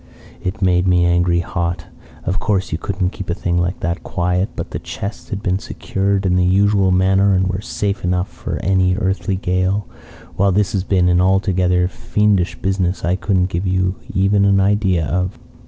"It made me angry hot. Of course you couldn't keep a thing like that quiet; but the chests had been secured in the usual manner and were safe enough for any earthly gale, while this had been an altogether fiendish business I couldn't give you even an idea of.